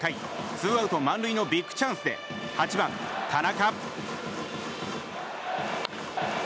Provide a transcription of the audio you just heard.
２アウト満塁のビッグチャンスで８番、田中。